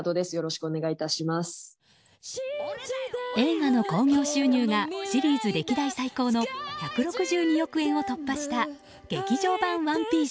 映画の興行収入がシリーズ歴代最高の１６２億円を突破した劇場版「ＯＮＥＰＩＥＣＥ」。